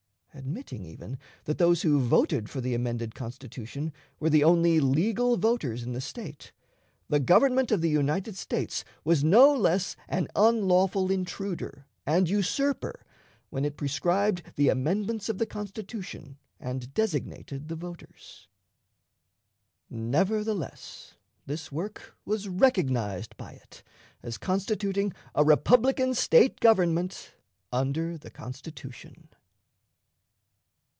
Admitting, even, that those who voted for the amended Constitution were the only legal voters in the State, the Government of the United States was no less an unlawful intruder and usurper when it prescribed the amendments of the Constitution and designated the voters. Nevertheless, this work was recognized by it, as constituting a republican State government under the Constitution.